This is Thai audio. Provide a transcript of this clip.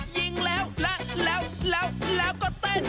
ยิงแล้วแล้วแล้วก็เต้น